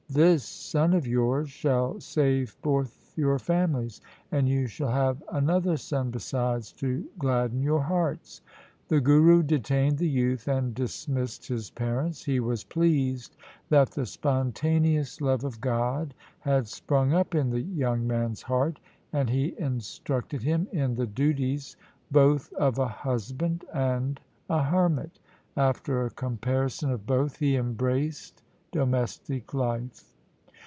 This son of yours shall save both your families, and you shall have another son besides to gladden your hearts.' The Guru detained the youth, and dismissed his parents. He was pleased that the spontaneous love of God had sprung up in the young man's heart, and he instructed him in the duties both of a husband and a hermit. After a comparison of both, he embraced domestic life.